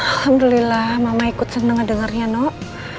alhamdulillah mama ikut seneng ngedengernya noh